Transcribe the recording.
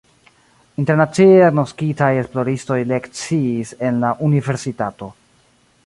Internacie agnoskitaj esploristoj lekciis en la universitato.